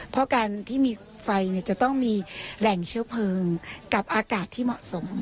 เพราะการที่มีไฟจะต้องมีแหล่งเชื้อเพลิงกับอากาศที่เหมาะสม